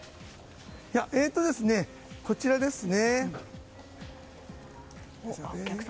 こちらですね。